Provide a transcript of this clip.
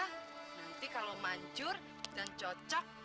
nanti kalau mancur dan cocok